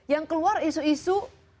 yang keluar isu isu